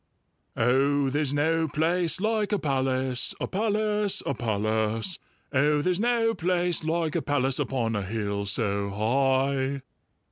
"Oh, there's no place like a palace, A palace, a palace! Oh, there's no place like a palace Upon a hill so high!"